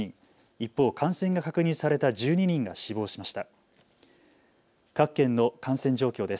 一方、感染が確認された１２人が死亡しました。